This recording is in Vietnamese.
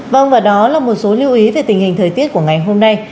vâng và đó là một số lưu ý về tình hình thời tiết của ngày hôm nay